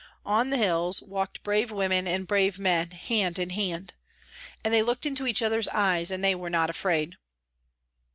" On the hills walked brave women and braye men, hand in hand. And they looked into each other's eyes, and they were not afraid."